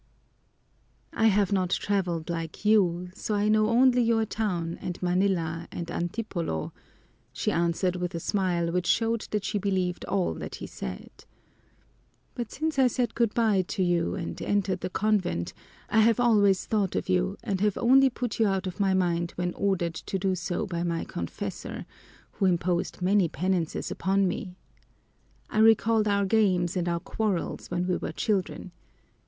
"I have not traveled like you, so I know only your town and Manila and Antipolo," she answered with a smile which showed that she believed all he said. "But since I said good by to you and entered the convent, I have always thought of you and have only put you out of my mind when ordered to do so by my confessor, who imposed many penances upon me. I recalled our games and our quarrels when we were children.